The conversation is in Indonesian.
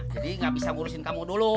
jadi nggak bisa ngurusin kamu dulu